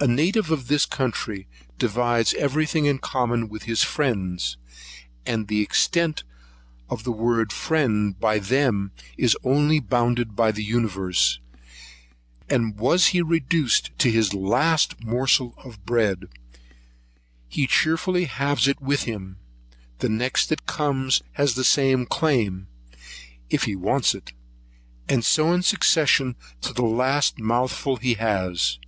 A native of this country divides every thing in common with his friend, and the extent of the word friend, by them, is only bounded by the universe, and was he reduced to his last morsel of bread, he cheerfully halves it with him; the next that comes has the same claim, if he wants it, and so in succession to the last mouthful he has.